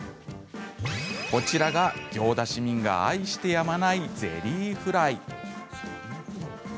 こちらが行田市民が愛してやまないゼリーフライ。